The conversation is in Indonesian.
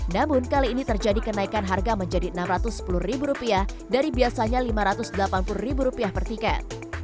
namun kali ini terjadi kenaikan harga menjadi enam ratus sepuluh ribu rupiah dari biasanya lima ratus delapan puluh ribu rupiah per tiket